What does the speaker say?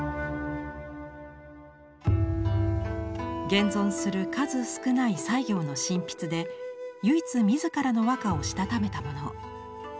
現存する数少ない西行の真筆で唯一自らの和歌をしたためたもの。